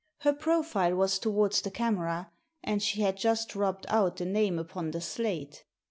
Her profile was towards the camera, and she had just rubbed out the name upon the slate.